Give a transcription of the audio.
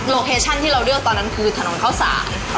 เคชั่นที่เราเลือกตอนนั้นคือถนนข้าวสาร